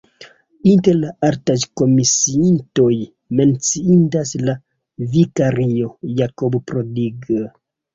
Inter la artaĵkomisiintoj menciindas la vikario Jakob Prodinger.